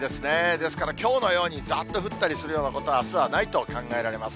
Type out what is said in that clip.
ですから、きょうのようにざーっと降ったりするようなことはあすはないと考えられます。